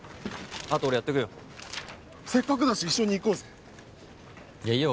あと俺やっとくよせっかくだし一緒に行こうぜいやいいよ